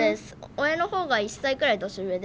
俺の方が１歳ぐらい年上で。